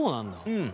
うん。